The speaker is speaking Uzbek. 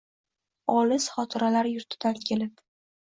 Olis xotiralar yurtidan kelib